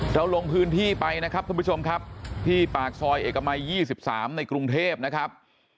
เราลงพื้นที่ไปนะครับท่านผู้ชมครับที่ปากซอยเอกมัย๒๓ในกรุงเทพนะครับ